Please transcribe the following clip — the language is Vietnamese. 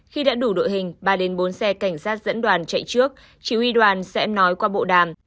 khi đã đủ đội hình ba bốn xe cảnh sát dẫn đoàn chạy trước chỉ huy đoàn sẽ nói qua bộ đàm